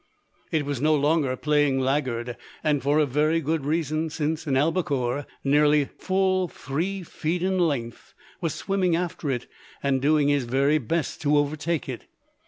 It was no longer playing laggard, and for a very good reason: since an albacore, nearly full three feet in length, was swimming after it and doing his very best to overtake it.